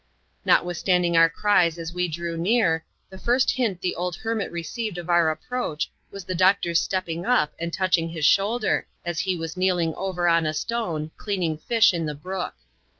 Notwithstanding our cries as we drew near, the first hint the old hermit received of our approach, was the doctor's stepping up and touching his shoulder, as he was kneeling over on a stone, cleaning fish in the brook.